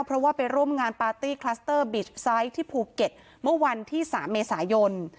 เพราะว่าไปร่วมงานปาร์ตี้คลัสเตอร์บิชไซต์ที่ภูเก็ตเมื่อวันที่๓เมษายน